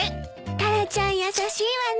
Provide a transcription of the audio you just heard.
タラちゃん優しいわね。